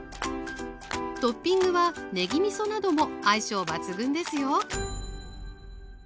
トッピングはねぎみそなども相性抜群ですよ